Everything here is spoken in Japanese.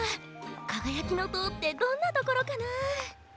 「かがやきのとう」ってどんなところかな？